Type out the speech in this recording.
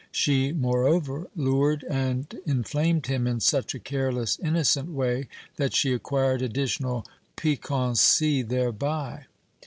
She, moreover, lured and inflamed him in such a careless, innocent way that she acquired additional piquancy thereby.